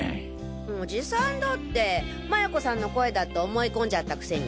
おじさんだって麻也子さんの声だって思い込んじゃったくせに。